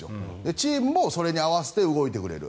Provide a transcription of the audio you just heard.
チームもそれに合わせて動いてくれる。